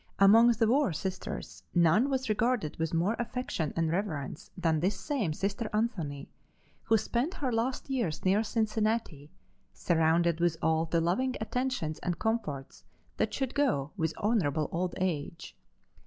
Among the war Sisters none was regarded with more affection and reverence than this same Sister Anthony, who spent her last years near Cincinnati, surrounded with all the loving attentions and comforts that should go with honorable old age.